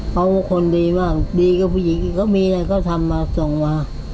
เขาคนดีมากดีกว่าผู้หญิงก็มีเลยเขาทำมาส่งมา